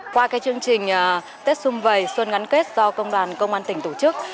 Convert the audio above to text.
qua chương trình tết xuân vầy xuân ngắn kết do công đoàn công an tỉnh tổ chức